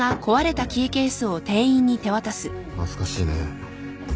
懐かしいね。